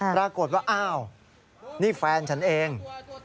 ปรากฏว่าอ้าวนี่แฟนฉันเอง